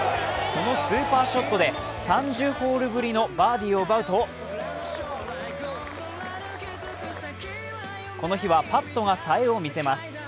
このスーパーショットで３０ホールぶりのバーディーを奪うとこの日はパットがさえを見せます。